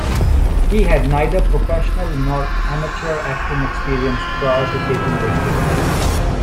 He had neither professional nor amateur acting experience prior to taking this role.